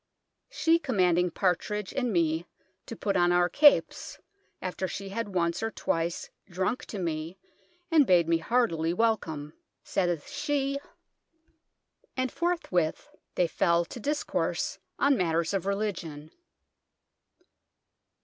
She comanding Partrige and me to put on our cappes, after she had once or twice droncke to me and bad me hartellie wellcome, saithe she THE KING'S HOUSE 1*7 and forthwith they fell to discourse on matters of religion.